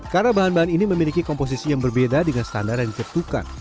karena bahan bahan ini memiliki komposisi yang berbeda dengan standar yang dicertukan